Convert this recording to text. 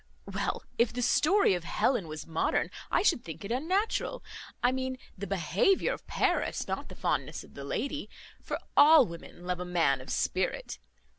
Well! if the story of Helen was modern, I should think it unnatural. I mean the behaviour of Paris, not the fondness of the lady; for all women love a man of spirit.